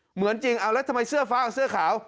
เหมือนจริงเอาแล้วทำไมเสื้อฟ้าเสื้อขาว